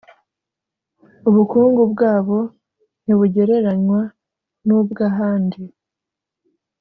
ubukungu bwabo ntibugereranywa n'ubwa ahandi